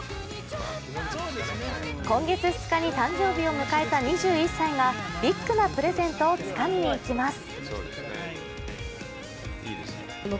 今月２日に誕生日を迎えた２１歳がビッグなプレゼントをつかみに行きます。